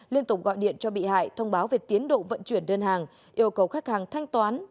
liên tục gọi điện cho bị hại thông báo về tiến độ vận chuyển đơn hàng yêu cầu khách hàng thanh toán